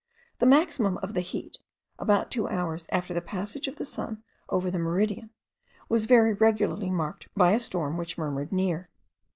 The maximum of the heat, about two hours after the passage of the sun over the meridian, was very regularly marked by a storm which murmured near.